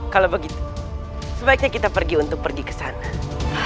kalau begitu sebaiknya kita pergi untuk pergi ke sana